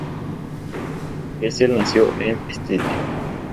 Hessel nació en Stettin.